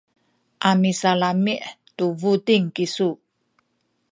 a misalami’ tu buting kisu.